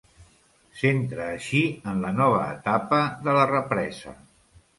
S'entra així en la nova etapa de la represa.